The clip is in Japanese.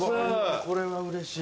これはうれしい。